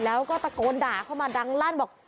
แล้วก็ตะโกนด่าเข้ามาดังลั่นบอก